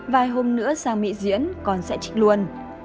vài hôm nữa sang mỹ diễn con sẽ trích luôn